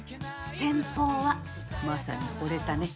先方はマサにほれたね。